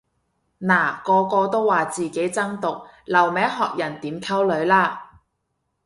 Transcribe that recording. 嗱個個都話自己真毒留名學人點溝女啦